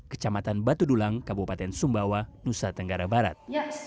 kecamatan batu dulang kabupaten sumbawa nusa tenggara barat